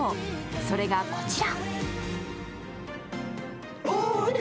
それがこちら。